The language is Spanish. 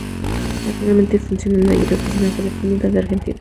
Actualmente funcionan allí oficinas de Telefónica de Argentina.